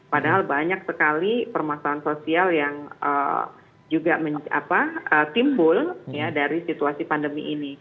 padahal banyak sekali permasalahan sosial yang juga timbul dari situasi pandemi ini